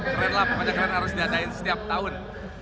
keren lah pokoknya keren harus diadain setiap tahun